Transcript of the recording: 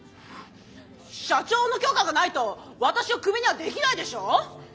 社長の許可がないと私をクビにはできないでしょ！